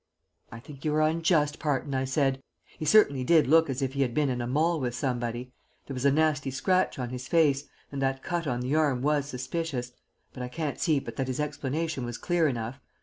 "I think you are unjust, Parton," I said. "He certainly did look as if he had been in a maul with somebody. There was a nasty scratch on his face, and that cut on the arm was suspicious; but I can't see but that his explanation was clear enough.